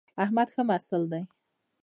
احمد ښه محصل دی